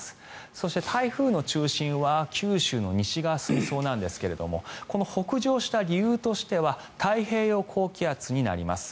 そして、台風の中心は九州の西側を進みそうなんですがこの北上した理由としては太平洋高気圧になります。